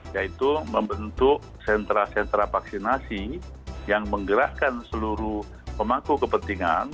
yaitu membentuk sentra sentra vaksinasi yang menggerakkan seluruh pemangku kepentingan